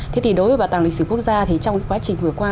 thế thì đối với bảo tàng lịch sử quốc gia thì trong cái quá trình vừa qua